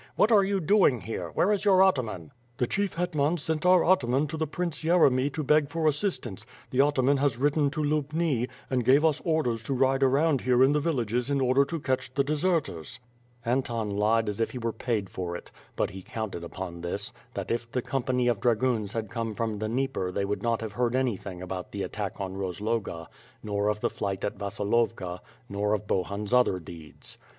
"What are you doing here? Where is your atman?" "The Chief Hetman sent our atman to the Prince Yeremy to beg for assistance, the atman has ridden to Lubni, and gave us orders to ride round here in the villages in order to catch the deserters." Anton lied as if he were paid for it; but he counted upon this; that if the company of dragoons had come from the Dnieper they would not have heard anything about the at tack on Rozloga, nor of the flight at Vasilovka, nor of Bohun's other deeds.